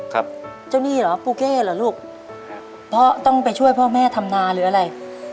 ครับเจ้าหนี้เหรอปูเก้เหรอลูกครับเพราะต้องไปช่วยพ่อแม่ทำนาหรืออะไร